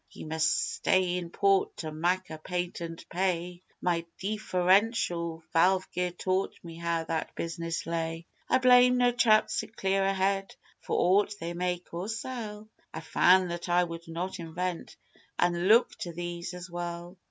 Ye must stay in port to mak' a patent pay. My Deeferential Valve Gear taught me how that business lay, I blame no chaps wi' clearer head for aught they make or sell. I found that I could not invent an' look to these as well.